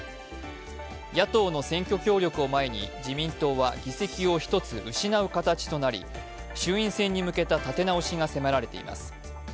野党の選挙協力を前に自民党は議席を１つ失う形となり、衆院選に向けた立て直しが迫られています。